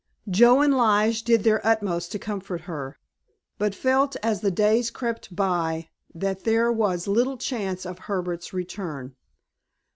Joe and Lige did their utmost to comfort her, but felt as the days crept by that there was little chance of Herbert's return.